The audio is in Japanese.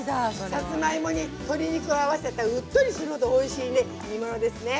さつまいもに鶏肉を合わせたうっトリするほどおいしいね煮物ですね。